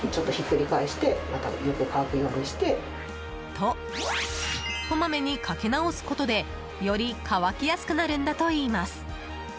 と、こまめにかけ直すことでより乾きやすくなるんだといいます。